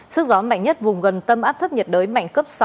sức gió mạnh nhất vùng gần tâm áp thấp nhiệt đới mạnh cấp sáu